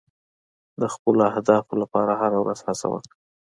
د خپلو اهدافو لپاره هره ورځ هڅه وکړه.